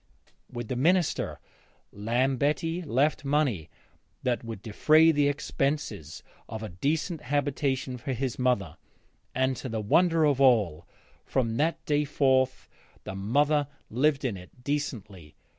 With the minister Lambetti left money that would defray the expenses of a decent habitation for his mother, and, to the wonder of all, from that day forth the mother lived in it decently.